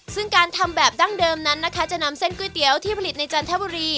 ซึ่งการทำแบบดั้งเดิมนั้นนะคะจะนำเส้นก๋วยเตี๋ยวที่ผลิตในจันทบุรี